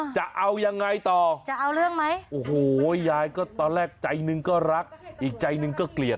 จะเอายังไงต่อจะเอาเรื่องไหมโอ้โหยายก็ตอนแรกใจหนึ่งก็รักอีกใจหนึ่งก็เกลียด